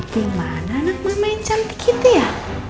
dimana anakmu main cantik gitu ya